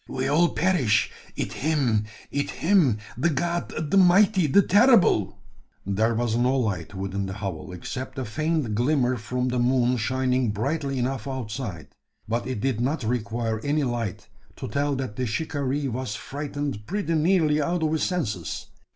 "We all perish it him it him de god de mighty de terrible " There was no light within the hovel, except a faint glimmer from the moon shining brightly enough outside; but it did not require any light to tell that the shikaree was frightened pretty nearly out of his senses.